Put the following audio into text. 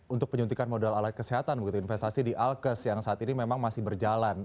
untuk penyuntikan modal alat kesehatan begitu investasi di alkes yang saat ini memang masih berjalan